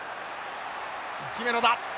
姫野だ。